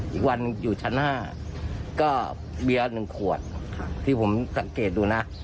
อีกวันอยู่ชั้น๕ก็เบียร์๑ขวดที่ผมสังเกตดูนะ